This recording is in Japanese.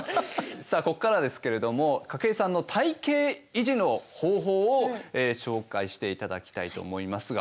さあここからですけれども筧さんの体型維持の方法を紹介していただきたいと思いますが。